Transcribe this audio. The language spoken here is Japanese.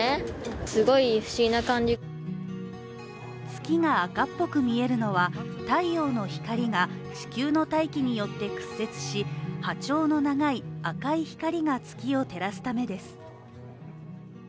月が赤っぽく見えるのは、太陽の光が地球の大気によって屈折し波長の長い赤い光が月を照らすためです。